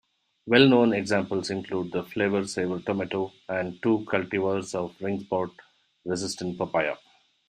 Well-known examples include the Flavr Savr tomato and two cultivars of ringspot-resistant papaya.